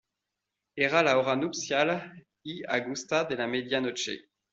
era la hora nupcial y augusta de la media noche.